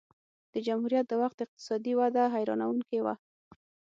د جمهوریت د وخت اقتصادي وده حیرانوونکې وه